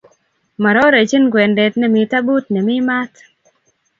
Mororejin kwendet nemi tabut nemi maat